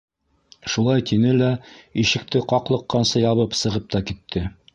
- Шулай тине лә ишекте ҡаҡлыҡҡансы ябып сығып та китте.